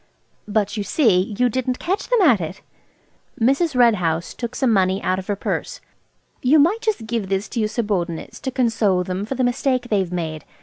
"But, you see, you didn't catch them at it." Mrs. Red House took some money out of her purse. "You might just give this to your subordinates to console them for the mistake they've made.